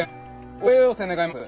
応援要請願います。